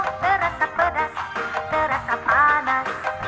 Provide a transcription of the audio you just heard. terasa pedas terasa panas